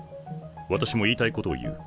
私も言いたいことを言う。